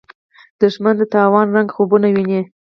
دښمن د تاوان رنګه خوبونه ویني